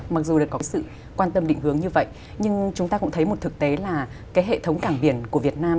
mặc dù được có sự quan tâm định hướng như vậy nhưng chúng ta cũng thấy một thực tế là cái hệ thống cảng biển của việt nam